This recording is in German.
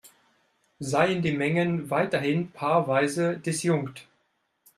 Seien die Mengen weiterhin paarweise disjunkt.